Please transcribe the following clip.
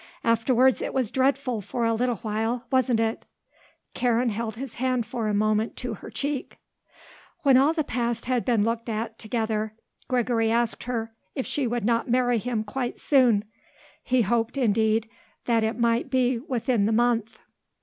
Afterwards it was dreadful for a little while, wasn't it?" Karen held his hand for a moment to her cheek. When all the past had been looked at together, Gregory asked her if she would not marry him quite soon; he hoped, indeed, that it might be within the month.